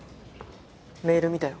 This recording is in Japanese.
メール見たよ。